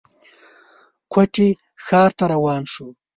کوټې ښار ته روان شو.